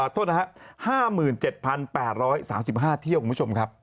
โทษนะครับ๕๗๘๓๕เที่ยวคุณผู้ชมครับ